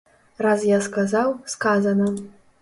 Раз я сказаў, сказана!